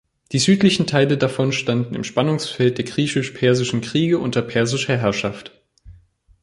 Die südlichen Teile davon standen im Spannungsfeld der griechisch-persischen Kriege unter persischer Herrschaft.